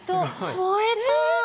燃えた！